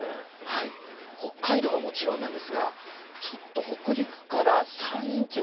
北海道は、もちろんなんですがちょっと北陸から山陰地方